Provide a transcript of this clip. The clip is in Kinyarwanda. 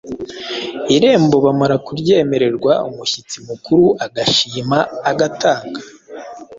Irembo bamara kuryemererwa umushyitsi mukuru agashima, agatanga